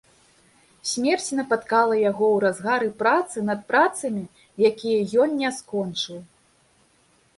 Смерць напаткала яго ў разгары працы над працамі, якія ён не скончыў.